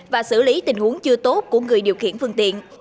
và xử lý tình huống chưa tốt của người điều khiển phương tiện